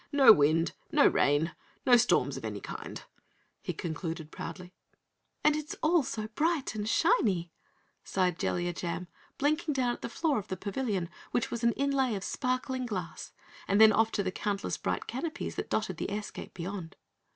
No wind, no rain, no storms of any kind," he concluded, proudly. "And it's all so bright and shiny," sighed Jellia Jam, blinking down at the floor of the pavilion which was an inlay of sparkling glass, and then off to the countless bright canopies that dotted the airscape beyond.